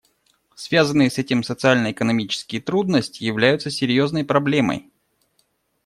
Связанные с этим социально-экономические трудности являются серьезной проблемой.